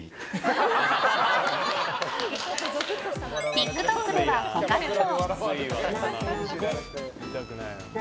ＴｉｋＴｏｋでは他にも。